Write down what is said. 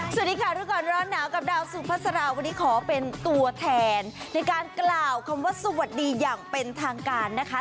สวัสดีค่ะรู้ก่อนร้อนหนาวกับดาวสุภาษาวันนี้ขอเป็นตัวแทนในการกล่าวคำว่าสวัสดีอย่างเป็นทางการนะคะ